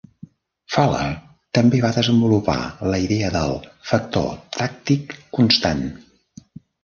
Fuller també va desenvolupar la idea del "Factor tàctic constant".